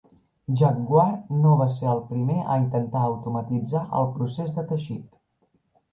Jacquard no va ser el primer a intentar automatitzar el procés de teixit.